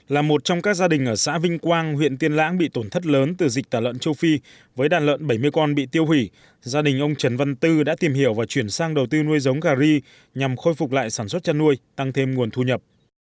là một trong các gia đình ở xã vinh quang huyện tiên lãng bị tổn thất lớn từ dịch tả lợn châu phi với đàn lợn bảy mươi con bị tiêu hủy gia đình ông trần văn tư đã tìm hiểu và chuyển sang đầu tư nuôi giống gà ri nhằm khôi phục lại sản xuất chăn nuôi tăng thêm nguồn thu nhập